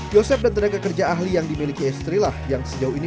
yosef dan tenaga kerja ahli yang dimiliki istri lah yang sejauh ini